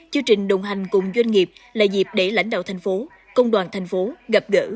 chương trình đồng hành cùng doanh nghiệp là dịp để lãnh đạo thành phố công đoàn thành phố gặp gỡ